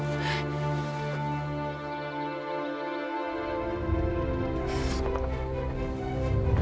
nanti aku akan datang